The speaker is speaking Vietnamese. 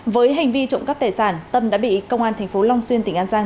với hành vi trộm cắp tài sản tâm đã bị công an thành phố long xuyên tỉnh an giang